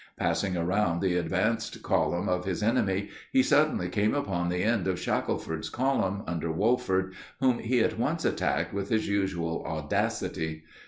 Passing around the advanced column of his enemy, he suddenly came upon the end of Shackelford's column, under Wolford, whom he at once attacked with his usual audacity.